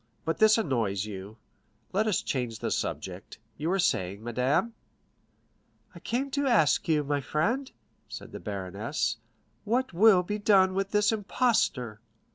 But this annoys you; let us change the subject. You were saying, madame——" "I came to ask you, my friend," said the baroness, "what will be done with this impostor?"